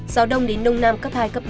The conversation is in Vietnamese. gió đông đến đông nam cấp hai cấp ba